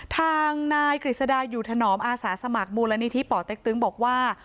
ทางนายกฤษดาอยู่ถนอมอาสาสมัครมูลนิธิป่อเต็กตึงบอกว่า